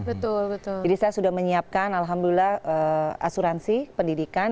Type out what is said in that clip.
jadi saya sudah menyiapkan alhamdulillah asuransi pendidikan